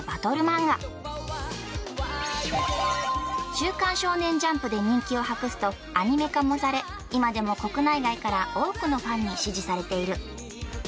『週刊少年ジャンプ』で人気を博すとアニメ化もされ今でも国内外から多くのファンに支持されている